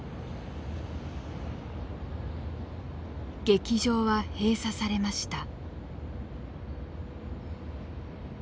劇場は閉鎖されました。